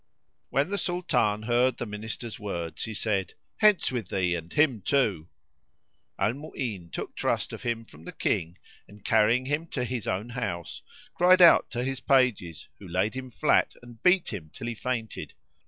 When the Sultan heard the Minister's words he said, "Hence with thee and him too." Al Mu'ín took trust of him from the King and, carrying him to his own house, cried out to his pages who laid him flat and beat him till he fainted.